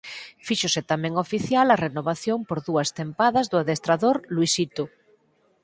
Fíxose tamén oficial a renovación por dúas tempadas do adestrador Luisito.